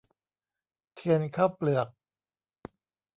เทียนข้าวเปลือก